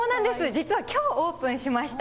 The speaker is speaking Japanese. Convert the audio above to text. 実はきょうオープンしました。